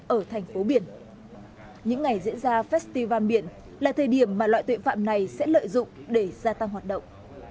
ở thành phố biển những ngày diễn ra festival biển là thời điểm mà loại tội phạm này sẽ lợi dụng để gia tăng hoạt động